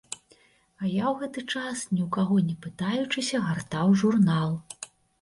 А я ў гэты час, ні ў каго не пытаючыся, гартаў журнал.